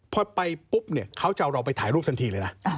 พอไปปุ๊บเนี่ยเขาจะเอาเราไปถ่ายรูปทันทีเลยนะ